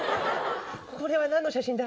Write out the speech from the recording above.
これは何の写真だ。